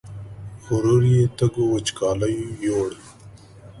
غرور یې تږو وچکالیو یووړ